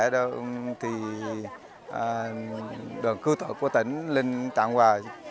đoàn cư thuật của tỉnh lên tặng quà